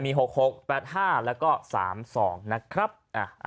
มีหกหกแปดห้าแล้วก็สามสองนะครับอ่า